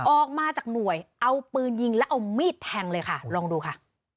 ออกมาจากหน่วยเอาปืนยิงแล้วเอามีดแทงเลยค่ะลองดูค่ะ